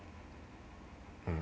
うん。